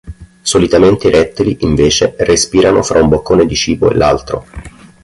Solitamente i rettili, invece, respirano fra un boccone di cibo e l'altro.